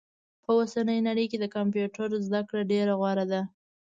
په اوسني نړئ کي د کمپيوټر زده کړه ډيره غوره ده